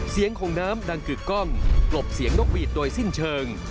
เสียงของน้ำดังกึกกล้องกลบเสียงนกหวีดโดยสิ้นเชิง